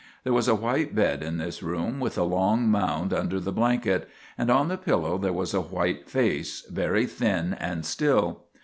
There was a white bed in this room, with a long mound under the blanket, and on the pillow there was a white face, very thin and still.